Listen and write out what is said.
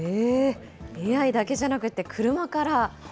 ＡＩだけじゃなくて車から。